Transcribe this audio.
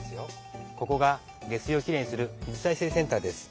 ここが下水をきれいにする水再生センターです。